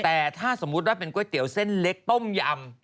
แต่ถ้าสมมุติว่าเป็นก๋วยเตี๋ยวเส้นเล็กต้มยำ